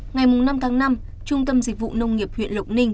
ngày năm tháng năm trung tâm dịch vụ nông nghiệp huyện lộc ninh